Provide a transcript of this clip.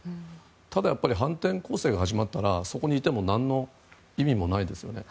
ただやっぱり反転攻勢が始まったらそこにいても何の意味もないですよね。